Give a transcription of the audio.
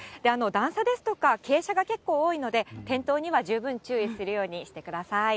段差ですとか傾斜が結構多いので、転倒には十分注意するようにしてください。